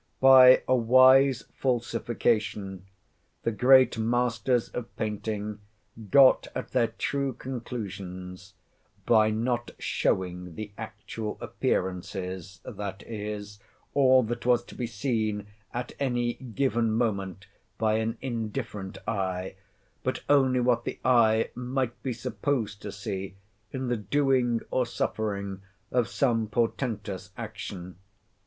By a wise falsification, the great masters of painting got at their true conclusions; by not showing the actual appearances, that is, all that was to be seen at any given moment by an indifferent eye, but only what the eye might be supposed to see in the doing or suffering of some portentous action.